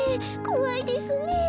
こわいですねえ。